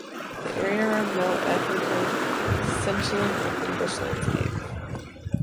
The area around Mount Atherton is essentially an open bush landscape.